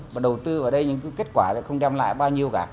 và đầu tư vào đây những cái kết quả thì không đem lại bao nhiêu cả